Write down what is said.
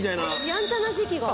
やんちゃな時期が。